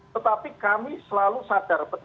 tetapi kami selalu sadar